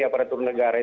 aparatur negara itu